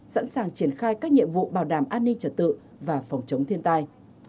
sẵn sàng triển khai các nhiệm vụ bảo đảm an ninh trật tự và phòng chống thiên tai